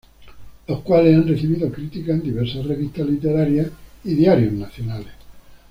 Los cuales han recibido Críticas en diversas revistas literarias y diarios nacionales.